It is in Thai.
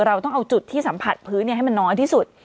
เราต้องเอาจุดที่สัมผัสพื้นให้มันน้อยที่สุด